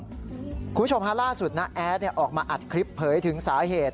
คุณผู้ชมฮะล่าสุดน้าแอดออกมาอัดคลิปเผยถึงสาเหตุ